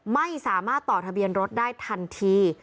ไม่สามารถต่อทะเบียนรถได้ทันที